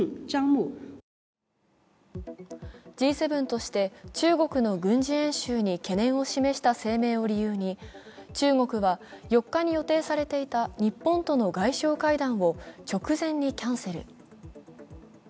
Ｇ７として中国の軍事演習に懸念を示した声明を理由に中国は４日に予定されていた日本との外相会談を直前にキャンセル。